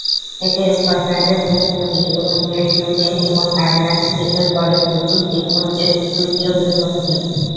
এটি স্কটল্যান্ডের বৃহত্তম দ্বীপ এবং গ্রেট ব্রিটেন এবং আয়ারল্যান্ড দ্বীপের পরে ব্রিটিশ দ্বীপপুঞ্জের তৃতীয় বৃহত্তম দ্বীপ।